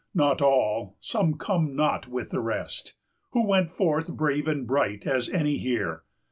not all! some come not with the rest, Who went forth brave and bright as any here!